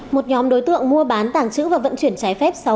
một nhóm đối tượng mua bán tàng trữ và vận chuyển trái phép